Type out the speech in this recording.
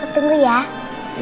kamu tinggal di rumah